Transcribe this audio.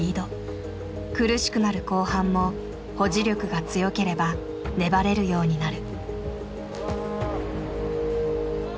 苦しくなる後半も保持力が強ければ粘れるようになる。